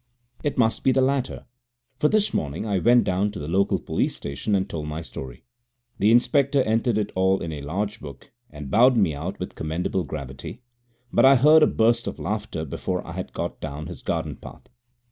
It must be the latter, for this morning I went down to the local police station and told my story. The inspector entered it all in a large book and bowed me out with commendable gravity, but I heard a burst of laughter before I had got down his garden path.